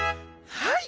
はい。